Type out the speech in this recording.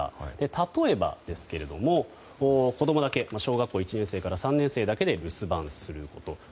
例えばですけど小学校１年生から３年生だけで留守番すること。